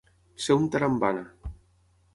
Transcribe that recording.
Ser un tarambana.